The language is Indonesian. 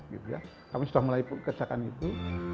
gitu ya kami sudah mulai kerjakan itu